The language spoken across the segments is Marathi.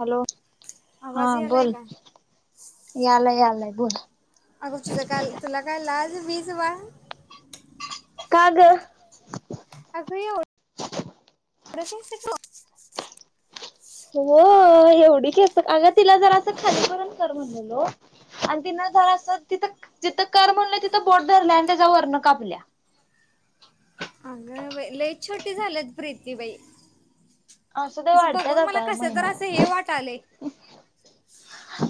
हॅलो हा आवाज यालाय बोल का? यालाय यालाय बोल. अगं तुझं काल तुला काय लाज बीज वा का ग? अग येऊन [unintelligible] हो एवढी केस अगं तिला जरा असं खाली पर्यंत कर म्हणलेलो. आणि ति न जरा अस तिथं जिथं कर म्हणलं तिथं बोट धरल्या आणि त्याच्या वरन कापल्या. अग बाई लई छोटी झाल्यात प्रीतीबाई. असू दे अस वाढत्यात बघून मला आता कस तर असं महिन्यात हे वाटालय.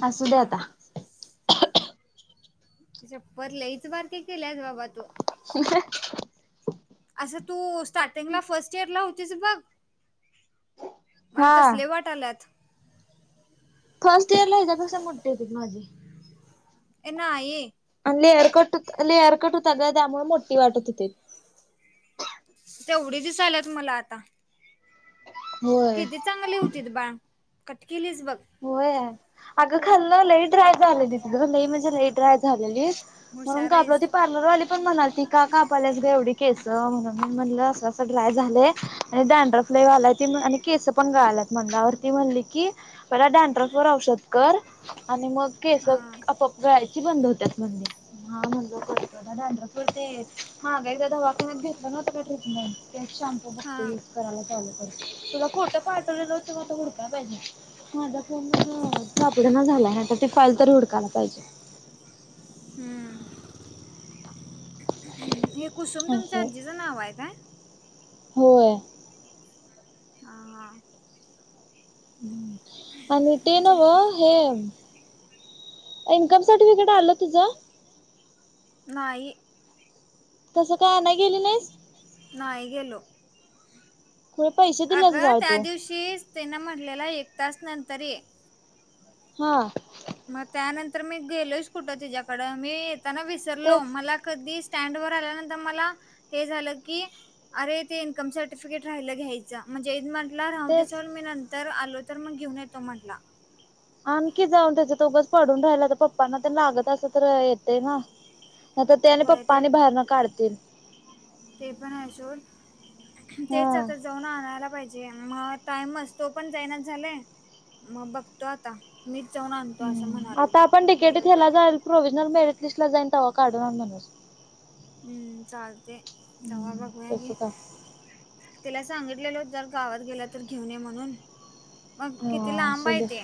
असू म दे आता. छप्पर लईच बारके केल्यास बाबा तू. ह. असं तू स्टार्टिंगला फर्स्ट इयर ला होतीस बघ. मला हा तसले वाटाल्यात. फर्स्ट इयरला हेच्या पेक्षा मोठे होते माझे. ए ना आई. आणि लेअरकट लेअरकट होता का त्यामुळे मोठी वाटत होते. तेवढे दिसाल्यात मला आता. होय. किती चांगली होतीत बाळ कट केलीच बघ. होय अगं खाल्लं लई ड्राय झालेली तिथ लई म्हणजे लई ड्राय झालेली. म्हणून हुशार कापलं आहेस ते. पार्लर वाली पण म्हणाली ती का कापाल्यास ग एवढी केस म्हणून म्हणलं असं असं ड्राय झालंय. आणिडेंड्रफ लय वाले ती म्ह- केस पण गळाल्यात गळाल्यात ती म्हटली की पला डॅनड्रफवर औषध कर, आणि मग केस हा आपोआप गळायची बंद होत म्हण. हा म्हणलोत डॅनड्रफ पर ते माग एकदा दवाखान्यात घेतल नव्हत का ट्रिटमेंट. हा बघतो युज करायला चालू कर तुला फोटो पाटवलेलं ते हुडकायला पाहिजे. माझा फोन सापडना झालाय तर ती फाईल तरी हुडकायला पाहिजे. हम्म हे कुसुम तुमच्या असं अजी. तचं नाव आहे काय. होय. हा हा. आणि ते म्हणजे नव हे. इन्कम सर्टिफिकेट आलं तुझं. नाई. तसं काय आणायला गेली नाहीस. नाही गेलो खुळे पैसे दिल्यास अगं बाळ त्या तू दिवशी. तेच तिनं म्हटलेला एक तास नंतर ये. हा. मग त्यानंतर मी गेलोयच कुठं तिच्याकडं मी येताना विसरलो तेच मला कधी. स्टँड वर आल्यानंतर मला हे झालं की. अरे ते इनकम सर्टिफिकेट राहिलं घ्यायचं म्हणजे म्हला राह तेच दिसल मी नंतर आलो तर मग घेऊन येतो म्हंटला आणखी जाऊन त्याच्या तो बस पडून राहिला तर पप्पांना ते लागत अस तर येत ते ना तर त्याने व ते पप्पाने बाहेर ना काढतील ते पण असून तेच हा आता जाऊन आणायला पाहिजे जे मग टाइमच तो पण जायना झालाय मग बघ. तो आता मीच जाऊन आणतो असं म्हणाले आता आपण गेलं डिकेटीत तर. ह्याला जाईल प्रोव्हिजनल मेडिक लिस्ट ला जायंन तवा काढून आण म्हणायचं. हम्म चालते जवा बघूया गे. तसं का तिला सांगितलेलो जर गावात गेला तर घेऊन ये म्हणून. मग किती हा लांब असू आहे दे ते,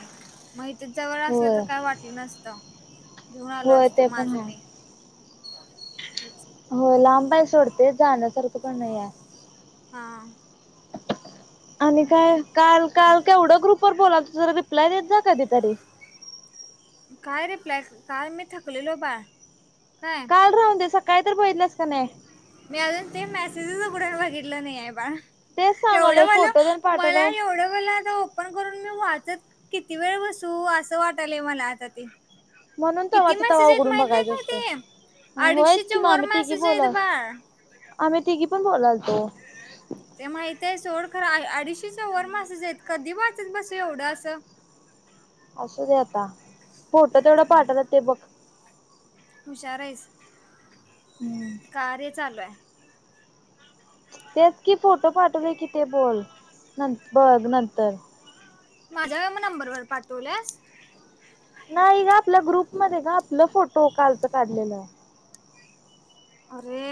मग इथे जवळ असलं तर होय काय वाटलं नसतं. घेऊन आलो होय असतो ते माझ पण मीच. आहे हो लांबा आहे सोडते जाण्यासारखं पण नाही आहे हा आणि काय काल काल का एवढं ग्रुपवरर बोला तु जरा रिप्लाय देत जा कधीतरी काय रिप्लाय काय मी थकलेलो बाळ काय ल राहून दे सकाळी तर बघित नास का नाही मी अजून ते मेसेजस उघडून बघितलं नाही आहे पण तेच सांगवलंय एवढं फोटो देऊन बलं मला पाठवलंय एवढं बला पण करून मी वाचत किती वेळ बसू असं वाटलंय मला आता ते म्हणून किती तवाचा तवा मेसेज आहेत उघडून माहित आहे बघायच का असते ते? होयत कि अडीचशेच्या म वर आम्ही तेघी मेसेज आहेत बोला बाळ. आम्ही तिघी पण बोलाल तो [inaudible] ते माहित आहे सोड खरं अडीचशी चवर मासचेत कधी वाचत बस एवढं असं असंच आता फोट तेवढं पाठतात ते बघ हुशार आहेस हम्म कार्य चालू आहे तेच कि फोटो पाठवले की ते बोल न बघ नंतर माझ्या नंबरवर पाठवलं नाही ग आपल्या ग्रुपमध्येध्ये ग आपलं फोटो कालचं काढलेलं अरे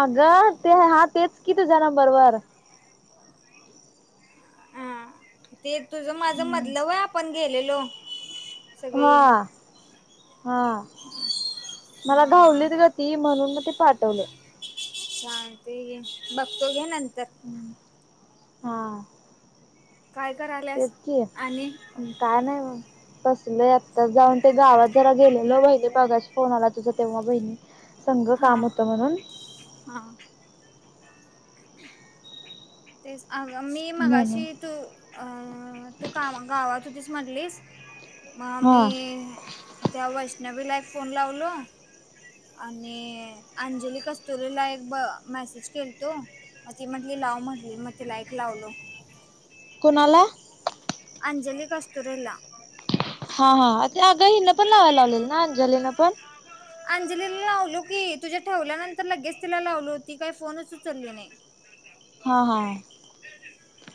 अगं ते हा तेच की तुझ्या नंबरवरर अ ते तुझं माझ मतल आहे आपण गेलेलो सगळी हा हा हा मला हा धावलीत ग ती म्हणून म ते पाठवलं ांत घे बघतो घे नंतर हां काय करायल ततकी काय नाही तसलेत तर जाऊन ते गावात जरा गेलेल बहिले बघाशी फोन आला तुझं तेव्हा बहिणी संघ हा काम होतं म्हणून हा तेच अग मी मगा अशी म्हणून तू अ तू का गावातुतीीच म्हटलीस मग मी हा त्या वैष्णवी ला फोन लावल आणि अंजली कस्तुरीला एक ब मेसेज केल तो म ती म्हटली लाव म्हटली मग तिला एकक लावलो कोणाला अंजली कस्तूरला हा हा ते आग हिन पण लावायला लावलेल ना अंजलीन पण अंजलीला लावलो की तुझ्या ठेवल्यानंतर लगेच तिला लावलो होती काही फोनच चालली नाही. हो जाऊ हा हा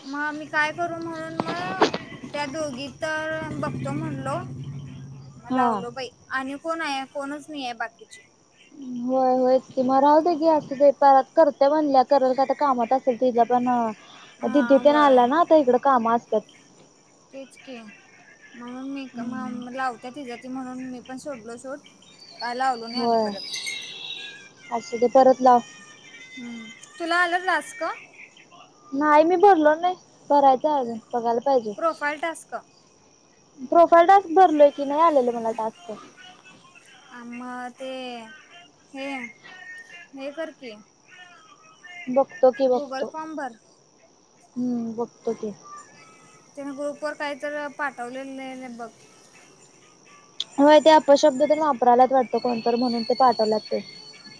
ह मग आम्ही काय करू म्हणून मग त्या दोघी तर बघतो म्हणलो. म हा लावलो बाई आणि कोण आहे कोणच मी आहे बाकीचे. होय होयच कि मग राह दे गी असं ते परत करते म्हणल्या करल काय तर कामात असेल तिझ पण हा तदीथ ना वय आलं ना आता इकडं काम असतात तेच क म्हणून मी लावत तिच्या त म्हणून मी पण सोडलो शूट काय लावलो नाही आणि परत असं ते परत लाव हम्म तुला आलं रास का नाही मी भरलो नाही भरायचं अजून बघायला पाहिजे प्रोफाईल टास्क प्रोफाईल टास्क भरलोय की नाही आलेल मला टास्क म ते हे हे कर की बघतो की गुगल बघतो फॉर्म भर. हम्म बघतो की तीन ग्रुप वर काहीतर पाठवलेलं लय बघ. होय ते अपशब्द तेन वापराल्यात वाटतं कोणतर म्हणून ते पाठवल्यात. ते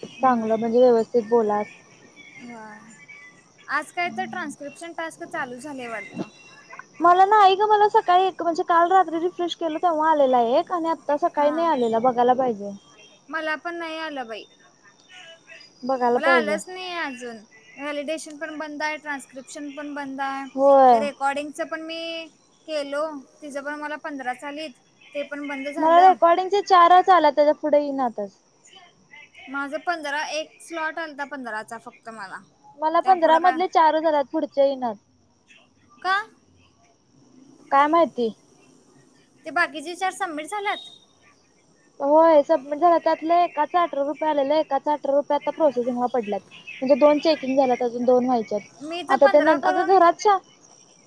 चांगलं म्हणजे व्यवस्थित बोला ह आज काय तर ट्रान्स्क्रिप्शन टास्क चालू झालय वाडतं. मला नाही ग मला सकाळी एक म्हणजे काल रात्री रिफ्रेश केल तेव्हा आलेला एक आणि - - तसं काही हा नाही आलेलं बघायला पाहिजे. मला पण नाही आलं बाई बघायला मला पाहिजे आलंच नाही अजून व्हॅलिडेशन पण बंद आहे ट्रान्स्क्रिप्शन पण बंद आहे होय तर रेकोर्डिंगच पण मी केलो तिच पण मला पंधराच आलीत ते पण बंद मला झालं रेकॉर्डिंगचे चारच आल्यात त्याच्या पुढे येइ ना तच. माझ पंधरा एक स्लॉट आलता पंधराचा फक्त मला. मला त्या पंधरा पुढं काय मधले चारच आल्यात पुढचे येइनात. का? काय माहिती? ते बाकीचे चार सबमिट झाल्यात. होय सबमिट झालं त्यातलं एकाच अठरा रुपये आलेला एकाचा अठरा रुपये आता प्रोसेसिंगला पडल्यात. म्हणजे दोन चेकिंग झाल्यात अजून दोन व्हायच्यात मी तर आता ते न पंधरा अग करून घरात च्या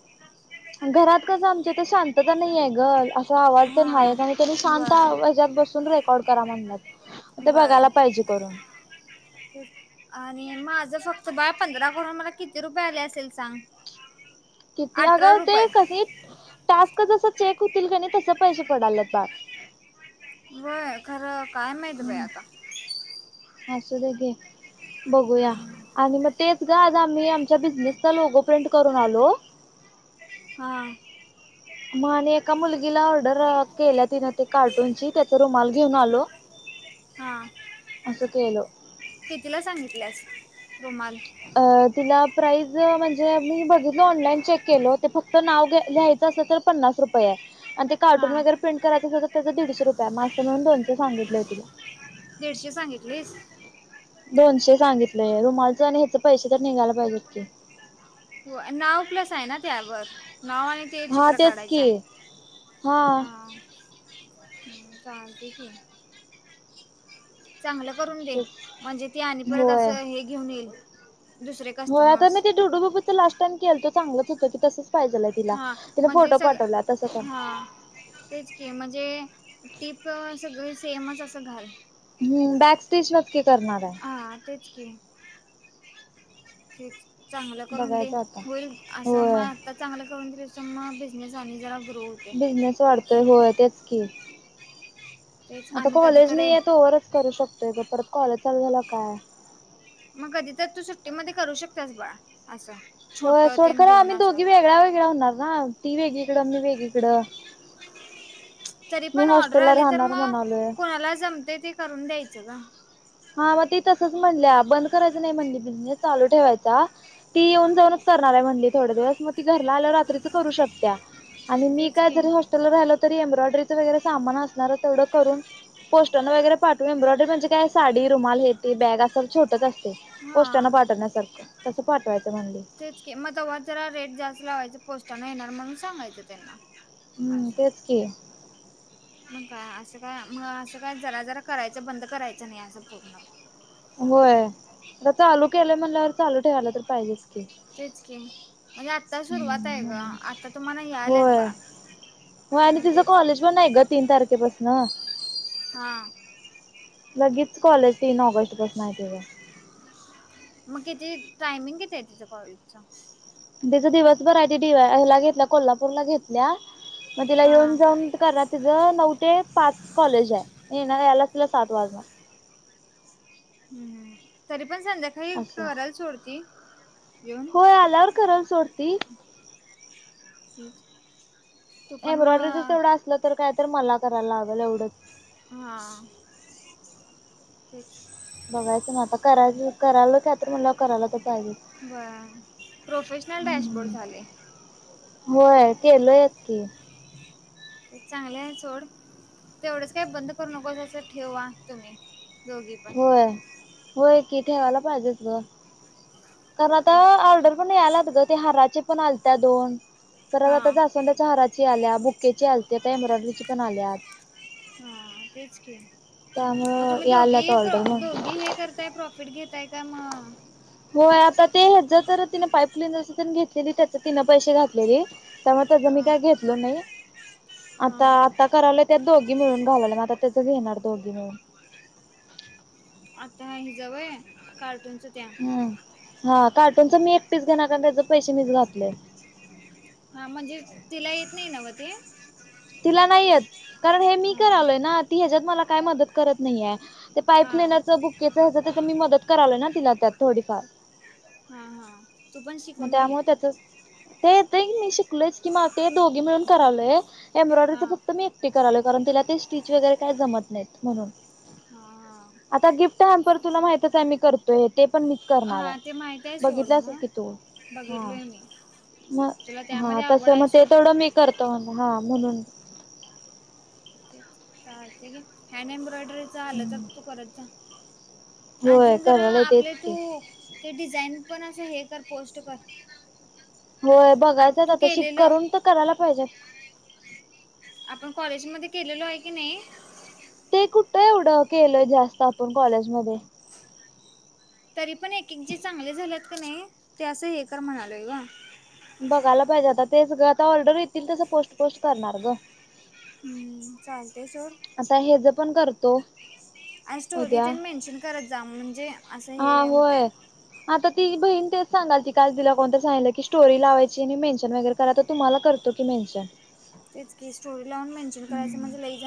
[unintelligible] घरात कस आमच्या ते शांतता नाहीयाय ग असा आवाज तेन हाय हां आणि त्यांनी शांत वय आवाज त्यात बसून रेकॉर्ड करा म्हणल्यात ते वय बघायला पाहिजे करून. आणि माझं फक्त बाळ पंधरा करून मला किती रुपये आले असेल सांग. [unintelligible] किती अग अठरा ते रुपये कणी टास्क जस चेक होतील कणी तस पैशे पडाल्यात बाळ. व्हय खरं काय माहीत बाई हम्म आता. असू दे घे. बघूया हम्म. आणि मग तेच ग आज आम्ही आमच्या बिझनेसचा लोगो प्रिंट करून आलो. हा. म आणि एका मुलगी तिला ऑर्डर केल्या तिनं ते कार्टूनची त्याचा रुमाल घेऊन आलो. असं केलो. कीतिला सांगितल्यास रुमाल. अ तिला प्राईज म्हणजे मी बघितलो ऑनलाईन चेक केलो ते फक्त नाव घ्यायचं असत तर. पन्नास रुपय हाय. आणि ते कार्टून हां वगैरे प्रिंट करायच असे तर त्याच दीडशे रुपये म मिळून दोनशे सांगितलोय तिला. दीडशे सांगितलिस - - दोनशे सांगितलंय रुमालचं आणि ह्याच पैशे तर निघायला पाहिजेत की. हो नाव प्लस आहे ना त्यावर नाव आणि ते हा चित्र तेच की काढायचाय हा. हम् चालतय की. चांगलं करून दे तेच म्हणजे ती आणि परत होय असं हे घेऊन येईल. दुसरे होय आता मी कस्टमर्स ते डोडूबाबूचा लास्ट टाईम केलतो चांगलच होतं की तसंच पाहिजेल हाय तिला हा तिन म्हणजे फोटो सग पाठवला तसंच आहे. हा तेच की म्हणजे टीप सगळी सेमच असं घाल. हम् बॅक स्टिच नच की करणार आय. हा तेच की तेच चांगलं करून दे बघायचं आता होईल. असं मग होय आत्ता चांगलं करून दिलं असं मग बिझनेस आणि जरा ग्रोथ बिझनेस वाढतोय होय तेच की तेच आता आम्ही कॉलेज कधीतरी नाही आहे तोवरच करू शकतोय का परत कॉलेज चालू झाला काय. मग कधी तर तू सुट्टीमध्ये करू शकतास बाळ असं. छोट हो ते सोडकर घेऊन आम्ही असं दोघी वेगळवेगळ्या होणार ना ती वेगळीकडं मी वेगळीकडं तरी मी पण ऑर्डर हॉस्टेलला आली तर राहणार मग म्हणालोय कोणाला जमते ते करून द्यायचं का हा मग ती तसच म्हणल्या बंद करायचं नाही म्हणली बिझनेस चालू ठेवायचा. ती येऊन जाऊनच करणार आहे म्हणली थोडे दिवस म घरला आल्या रात्रीच करू शकत आणि मी तेच काय की जरी राहिलं तरी एम्ब्रॉयडरीचं वगैरे सामान असणार तेवढं करून पोटरना वगैे पाठू ए्ब्रॉडरी म्हणे का साडी रुमाल हेेते बॅग असं छोटच असते पोष्टांना हा पाठवण्यासारखं तसं पाठवायचं म्हणली. तेच के मग तेव्हा जरा रेट जास्त लावायच पोस्टाना येणार म्हणून सांगायचं त्यांना हम्म असं तेच की मग काय असं काय म असं काय जरा जरा करायचं बंद करायचं नाही असं पूर्ण. होय आता चालू केलं म्हणल्यावर चालू ठेवायला तर पाहिजे. तेच कि म्हणजे आत्ता सुरुवात आहे ग आता तुम्हाला यालात होय बा हो आणि तिचं कॉलेज पण आहे ग तीन तारखेपासन हां लगेच कॉलेज तीन ऑगस्ट पासून आहे तझ. मग किती टायमिंग किती आहे तिथं कॉलेजचा तिचा दिवसभर आहे ते दिवा ह्या घेतला कोल्हापूरला घेतला. द्या मग तिला येऊन हां जाऊन करणार तिचं नऊ ते पाच कॉलेज आहे. ना यालाला स साात वाज हम्म तरी पण संध्याकाळी असं करायला सोडती येऊन. होय आल्यावर खराल सोडती. हम् एम्ब्रॉयडरीच तेवढं असलं तर काय तर मला करायला लागेल एवढंच. हा तेच बघायचं ना आता करायच करा की तर मला करायला तर पाहिजे. बरं प्रोफेशनल डॅशबोर्ड झाले. हो केलो यात की ते चांगलं आहे सोड तेवढंच काही बंद करू नको त्याचं ठेवा तुम्ही-' दोघी पण होय होय की ठेवायला पाहिजेच ग. कारण आता ऑर्डर पण आलात ग ते हाराची पण आल त्या दोन परत हा आता जा असून त्या हारा. आल्या बुकेचे आलते आ एम्ब्रॉयडरी पण आल्यात. हा तेच के मग त्यामुळं तुम्ही याल्यात दोघेही ऑर्डर म्हणून दोघी हे कर. काय प्रॉफिट घेतय का मग. हो आता ते ह ज तर तिन पाईपलाईन जं घेतलेली त्या तिनं पैसे घातलेली. तेव्हा त्याचा मी हा काय घेतलो नाही हा आता ता करावला त्यात दोघी मिळून घालय म आता त्याचं घेणार दोघी मिळून. आता हिज व्हय कार्टूनच त्या ह हा कार्टूनच मी एक पीस घेणार कारण त्याचे पैसे मीच घातलय. हां म्हणजेच्, तिला येत नाही नवं ते? तिला नाही येत. कारण हे मी हा करालोय ना, ती हेज्यात मला काय मदत करत नाही आय. ते हा पाईपलईन्याचं, बुक्केचं होतं तिथं मी मदत करालोय ना तिला त्यात थोडीफार. हां-हां म त्यामुळ त्याचे, ते येतय म, शिकलोयच् की मग, ते दोघी मिळून करालोय हा एम्ब्रॉयडरीचं फक्त मी एकटी करालोय कारण तिला ते स्टीच वगैरे काय जमत नाहीत म्हणून. हां आता गिफ्ट हॅम्पर तुला माहितच आहे मी करतोय ते पण मीच करणार आय. हा ते माहित आहे सोड बघितलं मग असक् तो, हां, बघितलोय मी म, तुला हां त्यामध्ये आता आवड सम आहे ते सोड तेवढ मी करतो म्नला. हां, म्हणून. हँड एम्ब्रॉयडरीचं आलं तर तू करत जा. होय आजून जरा करालोय तेच आपले की. तू ते डिझाईन पण असं हे कर पोस्ट कर. होय आप बघायचंच तू आता, शिक केलेलं करून त करायला पाहिजेत. आपण कॉलेजमध्ये केलेलो हाय की नाही ते कुठ एवढं केलंय जास्त आपण कॉलेजमध्ये. तरी पण एक-एक जे चांगले झाल्यात क नई, ते असं हे कर म्हणालोय ग. बघायला पाहिजे आता, तेच गं आता ऑर्डर येतील तसं पोस्ट-पोस्ट करणार ग. हम्म, चालतय सोड. आता हेज पण कर आण् स्टोरी तेन मेन्शन करत जा, म्हणजे असं हे हा होतय. होय आता तीजी बहीण तेच सांगाल्ती काल तिला कोण तर सांगितलं की स्टोरी लावायची आणि मेन्शन वगैर करा आत् तुम्हाला करतो की मेन्शन. तेच की स्टोरी लावून मेन्शन करायं म्हणजे लई जा